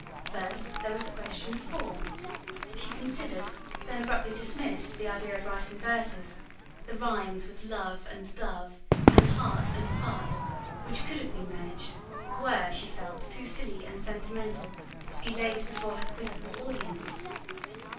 First, there was the question of form: she considered, then abruptly dismissed, the idea of writing verses: the rhymes with love and dove, and heart and part, which could have been managed, were, she felt, too silly and sentimental to be laid before her quizzical audience.